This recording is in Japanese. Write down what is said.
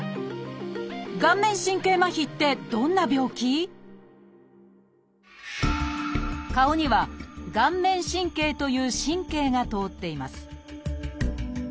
顔面神経麻痺って顔には「顔面神経」という神経が通っています。